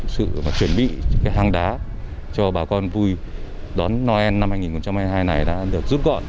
sự chuẩn bị hang đá cho bà con vui đón noel năm hai nghìn hai mươi hai này đã được rút gọn